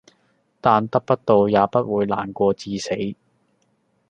但得不到也不會難過至死